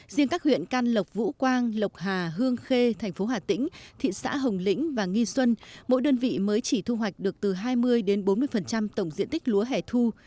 riêng các huyện can lộc vũ quang lộc hà hương khê thành phố hà tĩnh thị xã hồng lĩnh và nghi xuân mỗi đơn vị mới chỉ thu hoạch được từ hai mươi bốn mươi tổng diện tích lúa hẻ thu